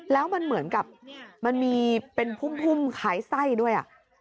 แล้วมันเหมือนกับมันมีเป็นพุ่มคล้ายไส้ด้วย